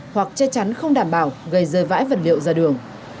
hoặc che chắn không đảm bảo gây rơi vãi vật liệu ra đường